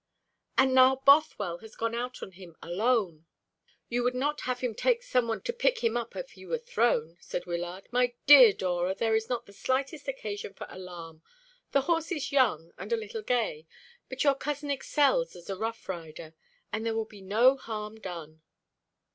"And now Bothwell has gone out on him, alone." "You would not have him take some one to pick him up if he were thrown," said Wyllard. "My dear Dora, there is not the slightest occasion for alarm. The horse is young, and a little gay; but your cousin excels as a rough rider, and there will be no harm done."